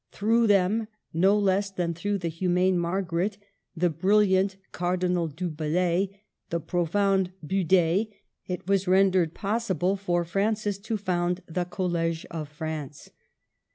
Through them, no less than through the hu mane Margaret, the brilliant Cardinal du Bellay, the profound Bude, it was rendered possible for Francis to found the College of France.